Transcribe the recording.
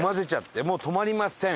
もう止まりません！